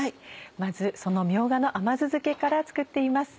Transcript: まずそのみょうがの甘酢漬けから作っています。